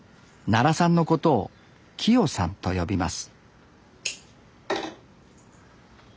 奈良さんのことをキヨさんと呼びます